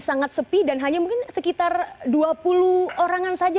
jadi sangat sepi dan hanya mungkin sekitar dua puluh orang saja